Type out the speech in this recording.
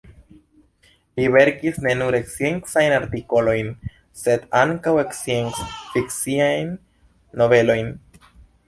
Li verkis ne nur sciencajn artikolojn, sed ankaŭ scienc-fikciajn novelojn.